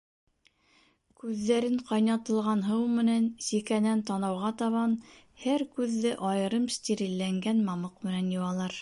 Күҙҙәрен ҡайнатылған һыу менән сикәнән танауға табан, һәр күҙҙе айырым стерилләнгән мамыҡ менән йыуалар.